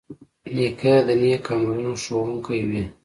نیکه د نیک عملونو ښوونکی وي.